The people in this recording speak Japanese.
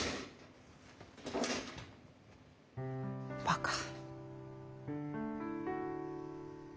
バカ。